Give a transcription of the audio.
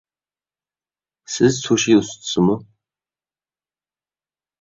سىز سۇشى ئۇستىسىمۇ؟